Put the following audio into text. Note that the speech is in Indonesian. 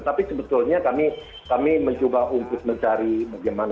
tapi sebetulnya kami mencoba untuk mencari bagaimana